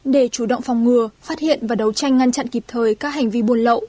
để chủ động phòng ngừa phát hiện và đấu tranh ngăn chặn kịp thời các hành vi buôn lậu